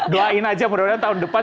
doain aja mudah mudahan tahun depan